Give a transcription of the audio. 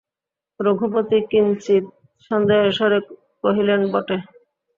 রঘুপতি কিঞ্চিৎ সন্দেহের স্বরে কহিলেন, বটে!